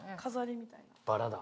バラだ。